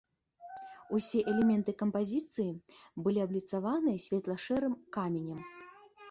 Усе элементы кампазіцыі былі абліцаваныя светла-шэрым каменем.